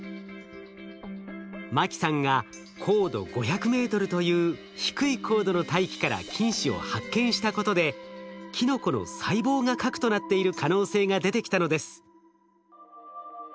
牧さんが高度５００ｍという低い高度の大気から菌糸を発見したことでキノコの細胞が核となっている可能性が出てきたのです。